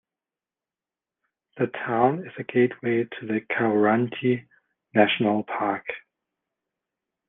The town is a gateway to the Kahurangi National Park.